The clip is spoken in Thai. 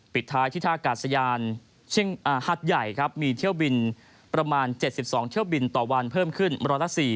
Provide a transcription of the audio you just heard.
ปิดท้ายที่ท่ากาศยานหัดใหญ่ครับมีเที่ยวบินประมาณ๗๒เที่ยวบินต่อวันเพิ่มขึ้นร้อยละ๔